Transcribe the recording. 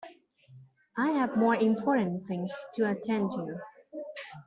I have more important things to attend to.